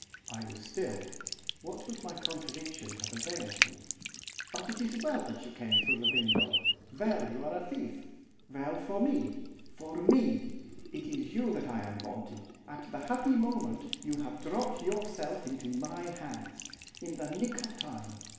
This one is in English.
I was still, what would my contradiction have availed me? 'But it is well that you came through the window, well you are a thief, well for me! for me! It is you that I am wanting, at the happy moment you have dropped yourself into my hands, in the nick of time.